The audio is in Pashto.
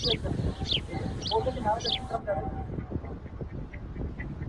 o په شيدو سوځلی مستې پو کي٫